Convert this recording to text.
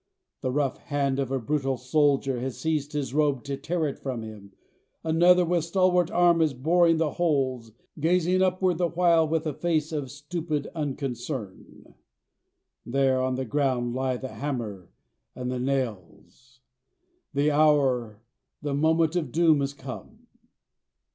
The rough hand of a brutal soldier has seized his robe to tear it from him. Another with stalwart arm is boring the holes, gazing upward the while with a face of stupid unconcern. There on the ground lie the hammer and the nails: the hour, the moment of doom is come!